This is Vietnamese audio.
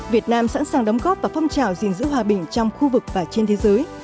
việt nam sẵn sàng đóng góp và phong trào gìn giữ hòa bình trong khu vực và trên thế giới